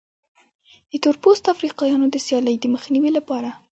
د تور پوستو افریقایانو د سیالۍ د مخنیوي لپاره.